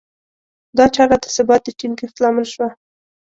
دا چاره د ثبات د ټینګښت لامل شوه.